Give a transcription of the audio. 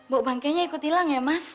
bau bangkanya ikut hilang ya mas